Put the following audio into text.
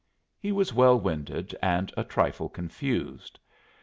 He was well winded and a trifle confused.